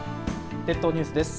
列島ニュースです。